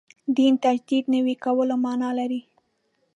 دین تجدید نوي کولو معنا لري.